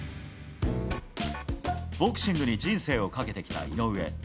ボクシングに人生をかけてきた井上。